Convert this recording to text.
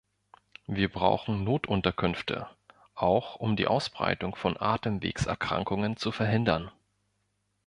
Sie brauchen Notunterkünfte, auch um die Ausbreitung von Atemwegserkrankungen zu verhindern.